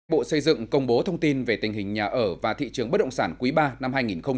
bộ xây dựng công bố thông tin về tình hình nhà ở và thị trường bất động sản quý ba năm hai nghìn hai mươi